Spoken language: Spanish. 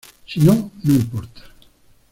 Si no, no importa..